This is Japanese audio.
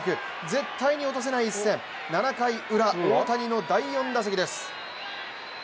絶対に落とせない一戦７回ウラ、大谷の第４打席です。